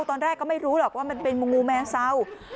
ตอนแรกก็ไม่รู้หรอกว่ามันเป็นงูแมงเศร้า